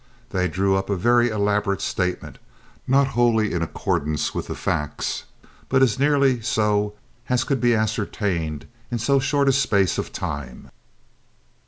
They drew up a very elaborate statement, not wholly in accordance with the facts, but as nearly so as could be ascertained in so short a space of time.